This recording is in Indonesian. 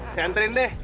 saya anterin deh